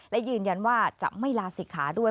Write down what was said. และยืนยันว่าจะไม่ลาศิกขาด้วย